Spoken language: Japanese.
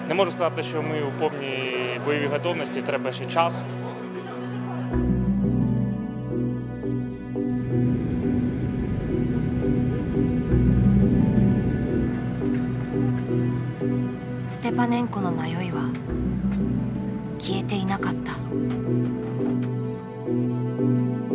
ステパネンコの迷いは消えていなかった。